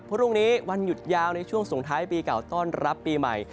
พรุ่งนี้วันหยุดยาวในช่วงส่งท้ายปีเก่าต้อนรับปีใหม่